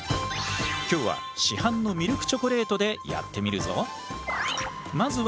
今日は市販のミルクチョコレートでやってみるぞ！